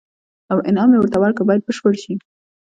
او انعام یې ورته ورکړ باید بشپړ شي.